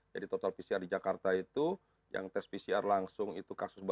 jadi total pcr di jakarta itu yang tes pcr langsung itu kasusnya